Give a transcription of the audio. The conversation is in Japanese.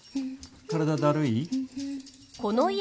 体だるい？